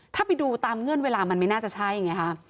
ถ้าไปดูตามเงื่อนเวลามันไม่น่าจะใช่ไงฮะ